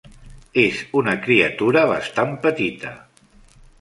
És una criatura bastant petita.